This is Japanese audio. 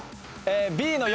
Ｂの４。